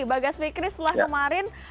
bagas fikri setelah kemarin